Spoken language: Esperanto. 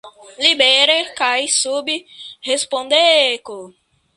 Libere kaj sub respondeco!